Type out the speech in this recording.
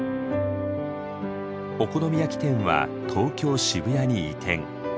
お好み焼き店は東京・渋谷に移転。